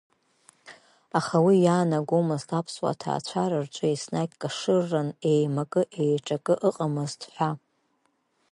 Аха уи иаанагомызт аԥсуа ҭаацәа рҿы еснагь кашырран, еимакы-еиҿакы ыҟамызт ҳәа.